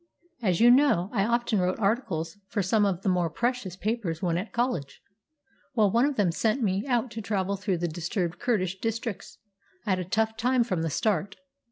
As you know, I often wrote articles for some of the more precious papers when at college. Well, one of them sent me out to travel through the disturbed Kurdish districts. I had a tough time from the start.